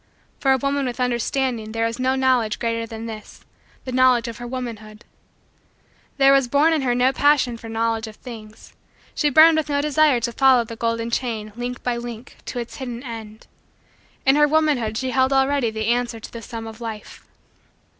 For a woman with understanding there is no Knowledge greater than this: the knowledge of her womanhood. There was born in her no passion for knowledge of things. She burned with no desire to follow the golden chain, link by link, to its hidden end. In her womanhood she held already the answer to the sum of Life.